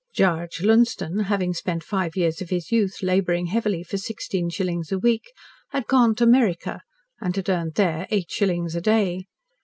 "Gaarge" Lunsden, having spent five years of his youth labouring heavily for sixteen shillings a week, had gone to "Meriker" and had earned there eight shillings a day.